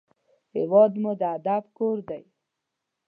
هېواد مو د ادب مور دی